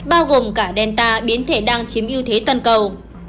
bao gồm cả delta biến thể đang chiếm ưu thế toàn cầu